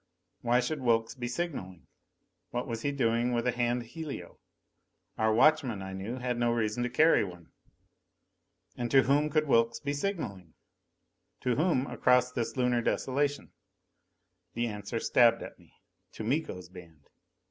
Why should Wilks be signaling? What was he doing with a hand helio? Our watchmen, I knew, had no reason to carry one. And to whom could Wilks be signaling? To whom, across this Lunar desolation? The answer stabbed at me: to Miko's band!